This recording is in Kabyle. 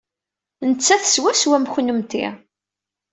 Nettat swaswa am kennemti.